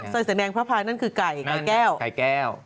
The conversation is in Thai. แต่แนงพระภายนั้นคือไก่ไก่แก้ว